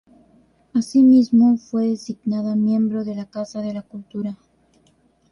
Así mismo fue designada miembro de la Casa de la Cultura.